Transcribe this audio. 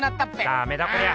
ダメだこりゃ。